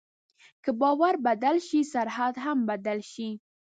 که باور بدل شي، سرحد هم بدل شي.